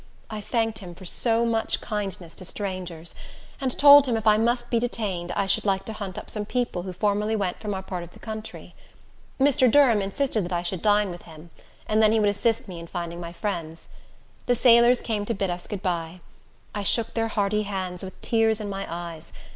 I thanked him for so much kindness to strangers, and told him if I must be detained, I should like to hunt up some people who formerly went from our part of the country. Mr. Durham insisted that I should dine with him, and then he would assist me in finding my friends. The sailors came to bid us good by. I shook their hardy hands, with tears in my eyes.